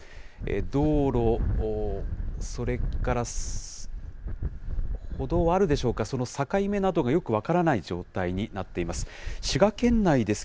道路、それから歩道あるでしょうか、その境目などがよく分からない状態になっています。